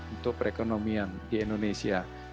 untuk perekonomian di indonesia